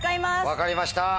分かりました。